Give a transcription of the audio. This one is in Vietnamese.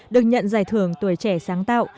được nhận giải thưởng tuổi trẻ sáng tạo